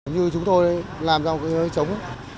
như chúng tôi làm ra một cái chống